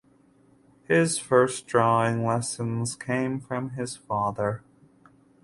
His first drawing lessons came from his father.